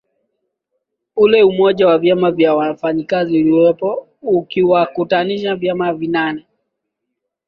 ule umoja wa vyama vya wafanyikazi uliokuwepo ukiwakutanisha vyama vinane